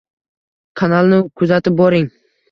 Kanalni kuzatib boring: